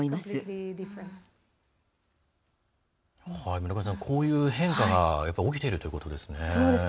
村上さん、こういう変化が起きているということですね。